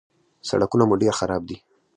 _سړکونه مو ډېر خراب دي.